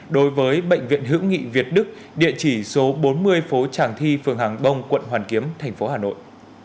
đối với bệnh viện hữu nghị việt đức địa chỉ số bốn mươi phố tràng thi phường hàng bông quận hoàn kiếm thành phố hà nội